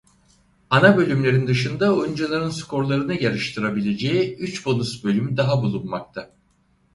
Ana bölümlerin dışında oyuncuların skorlarını yarıştırabileceği üç bonus bölüm daha bulunmakta.